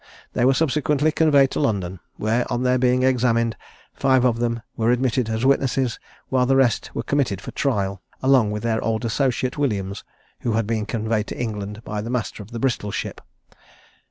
They were subsequently conveyed to London, where, on their being examined, five of them were admitted as witnesses, while the rest were committed for trial, along with their old associate Williams, who had been conveyed to England by the master of the Bristol ship.